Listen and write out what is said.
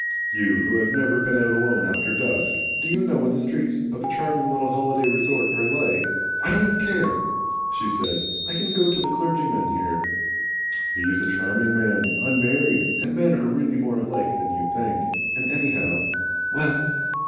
"You who have never been out alone after dusk? Do you know what the streets of a charming little holiday resort are like " "I don't care," she said. "I can go to the clergyman here." "He's a charming man. Unmarried. And men are really more alike than you think. And anyhow " "Well?"